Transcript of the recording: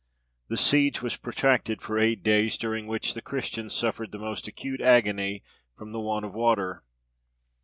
The siege was protracted for eight days, during which the Christians suffered the most acute agony from the want of water.